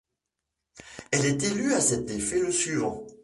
Elle est élue à cet effet le suivant.